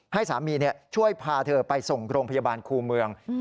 ให้สามีช่วยพาเธอไปส่งโรงพยาบาลครูเมือง